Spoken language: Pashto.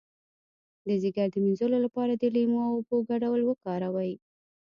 د ځیګر د مینځلو لپاره د لیمو او اوبو ګډول وکاروئ